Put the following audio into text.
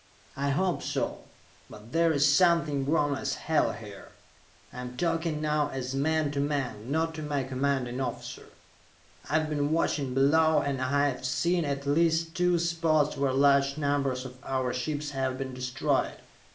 "I hope so. But there's something wrong as hell here. I'm talking now as man to man; not to my commanding officer. I've been watching below, and I have seen at least two spots where large numbers of our ships have been destroyed.